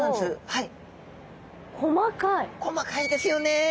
はい。